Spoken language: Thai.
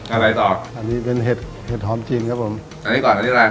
อะไรต่ออันนี้เป็นเห็ดเห็ดหอมจีนครับผมอันนี้ก่อนอันนี้อะไร